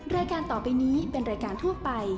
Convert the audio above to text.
รายการต่อไปนี้เป็นรายการทั่วไป